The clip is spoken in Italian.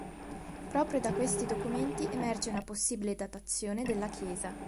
Proprio da questi documenti emerge una possibile datazione della chiesa.